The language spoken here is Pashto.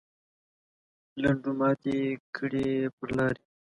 لنډو ماتې کړې پر لارې.